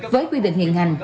với quy định hiện hành